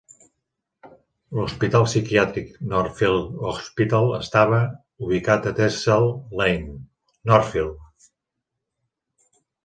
L'hospital psiquiàtric Northfield Hospital estava ubicat a Tessal Lane, Northfield.